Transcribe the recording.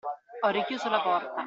Ho richiuso la porta.